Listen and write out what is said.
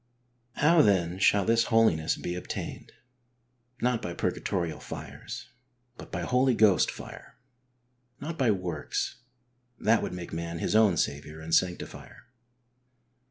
Ho\v then shall this holiness be obtained ? Not by purgatorial fires, but by Holy Ghost fire. Not by works ; that would make man his owm Saviour and sanctifier.